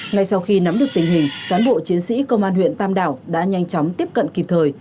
ngay sau khi nắm được tình hình cán bộ chiến sĩ công an huyện tam đảo đã nhanh chóng tiếp cận kịp thời